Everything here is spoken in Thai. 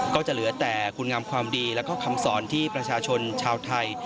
ก็จะเหลือแต่คุณงามความดีแล้วก็คำสอนที่ประชาชนชาวไทย